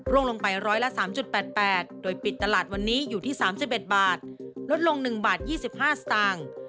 ลงไปร้อยละ๓๘๘โดยปิดตลาดวันนี้อยู่ที่๓๑บาทลดลง๑บาท๒๕สตางค์